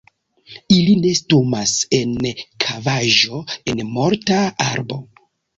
Ili nestumas en kavaĵo en morta arbo.